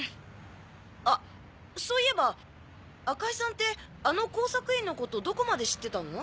あっそういえば赤井さんってあの工作員のことどこまで知ってたの？